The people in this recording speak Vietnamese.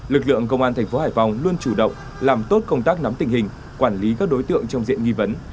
lực lượng công an thành phố hải phòng luôn chủ động làm tốt công tác nắm tình hình quản lý các đối tượng trong diện nghi vấn